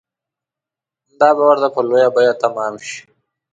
دا به ورته په لویه بیه تمامه شي.